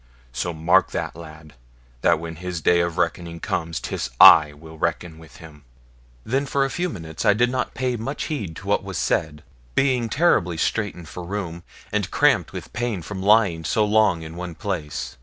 So mark that, lad, that when his day of reckoning comes, 'tis I will reckon with him.' Then for a few minutes I did not pay much heed to what was said, being terribly straitened for room, and cramped with pain from lying so long in one place.